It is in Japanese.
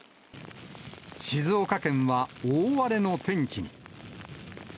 静岡県は大荒れの天気に。